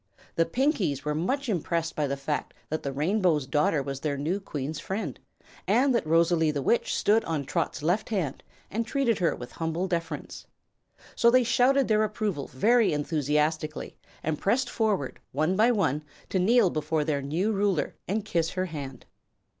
The Pinkies were much impressed by the fact that the Rainbow's Daughter was their new Queen's friend, and that Rosalie the Witch stood on Trot's left hand and treated her with humble deference. So they shouted their approval very enthusiastically and pressed forward one by one to kneel before their new Ruler and kiss her hand.